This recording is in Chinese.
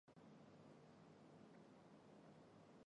此时三陵衙门已十分破败。